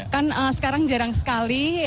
kan sekarang jarang sekali